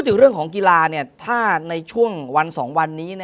นักกีฬาถ้าในช่วงวัน๒วันนี้